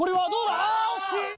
あ惜しい！